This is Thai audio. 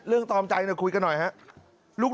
เรื่องตรอมใจคุยกันหน่อยครับ